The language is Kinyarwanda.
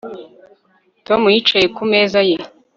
Tom yicaye ku meza ye